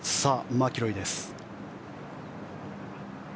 マキロイです。